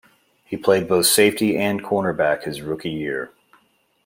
He played both safety and cornerback his rookie year.